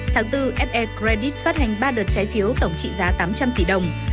tháng bốn fe credit phát hành ba đợt trái phiếu tổng trị giá tám trăm linh tỷ đồng